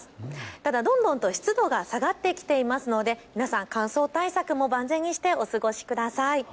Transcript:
ただ、どんどん湿度が下がってきていますので皆さん乾燥対策も万全にしてお過ごしください。